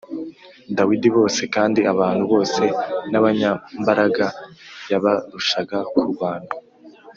Dawidi bose kandi abantu bose nabanyambaraga yabarushaga kurwana